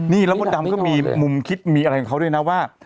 นี่แล้วมดดำก็มีมุมคิดมีอะไรของเขาด้วยนะว่า